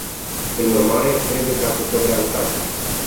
Prin urmare, trebuie să acceptăm realitatea.